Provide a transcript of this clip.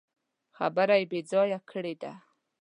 خبره يې بې ځايه کړې ده.